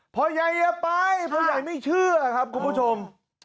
พ่อใหญ่อย่าไปพ่อใหญ่ไม่เชื่อครับคุณผู้ชม